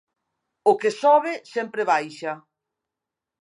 O que sobe sempre baixa.